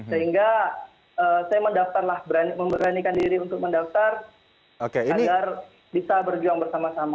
sehingga saya memberanikan diri untuk mendaftar agar bisa berjuang bersama sama